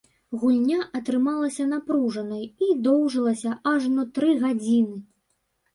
Гульня атрымалася напружанай і доўжылася ажно тры гадзіны.